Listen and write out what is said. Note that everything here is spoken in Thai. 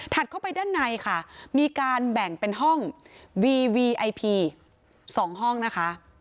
เข้าไปด้านในค่ะมีการแบ่งเป็นห้องวีวีไอพี๒ห้องนะคะ